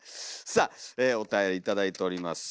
さあおたより頂いております。